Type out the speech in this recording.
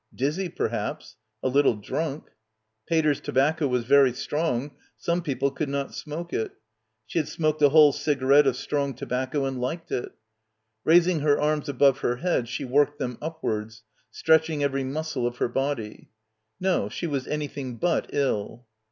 Dizzy perhaps ... a little drunk. Pater's tobacco was very strong, some people could not smoke it. ... She had smoked a whole ciga rette of strong tobacco and liked it. Raising her arms above her head she worked them upwards, stretching every muscle of her body. No, she was anything but ill.